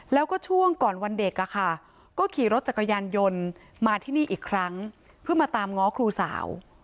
แล้วก็ช่วงก่อนวันเด็กก็ขี่รถจักรยานยนต์มาที่นี่อีกครั้งเพื่อมาตามง้อครูสาว